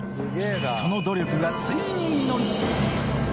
その努力がついに実る。